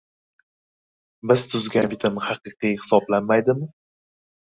“Biz tuzgan bitim haqiqiy hisoblanmaydimi?”